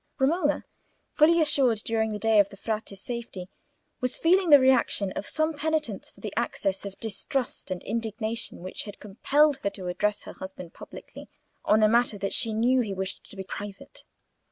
Romola, fully assured during the day of the Frate's safety, was feeling the reaction of some penitence for the access of distrust and indignation which had impelled her to address her husband publicly on a matter that she knew he wished to be private.